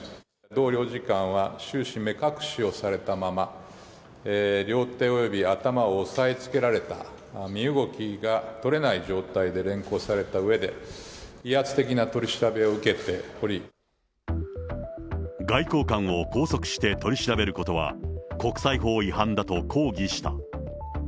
同領事官は、終始、目隠しをされたまま、両手および頭を押さえつけられた、身動きが取れない状態で連行されたうえで、威圧的な取り調べを受外交官を拘束して取り調べることは、国際法違反だと抗議した。